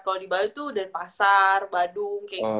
kalo di bali tuh uden pasar badung kayak gitu